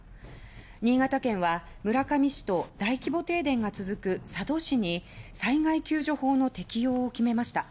新潟県は、村上市と大規模停電が続く佐渡市に災害救助法の適用を決めました。